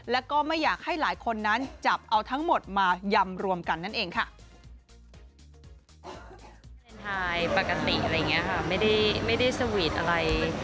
แล้วก็ไม่อยากให้หลายคนนั้นจับเอาทั้งหมดมายำรวมกันนั่นเองค่ะ